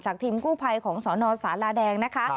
ทีมกู้ภัยของสนสาราแดงนะคะ